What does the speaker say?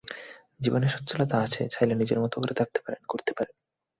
জীবনে সচ্ছলতা আছে, চাইলে নিজের মতো করে থাকতে পারেন, ঘুরতে পারেন।